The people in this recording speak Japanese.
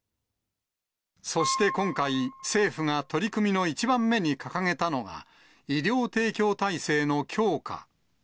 そして今回、政府が取り組みの１番目に掲げたのは、医療提供体制の強化。